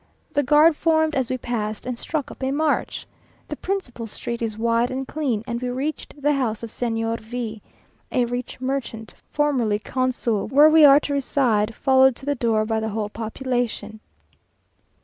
The guard formed as we passed, and struck up a march. The principal street is wide and clean, and we reached the house of Señor V o, a rich merchant, formerly consul, where we are to reside, followed to the door by the whole population.